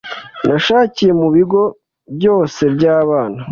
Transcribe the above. nashakiye mu bigo byose by'abana,